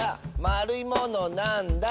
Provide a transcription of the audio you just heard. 「まるいものなんだ？」